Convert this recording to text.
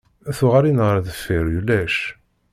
Tuɣalin ɣer deffir ulac!